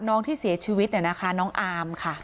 น้องที่เสียชีวิตเนี่ยนะคะน้องอามค่ะ